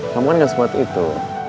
kamu kan gak sebuah itu